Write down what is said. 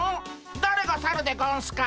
だれがサルでゴンスか！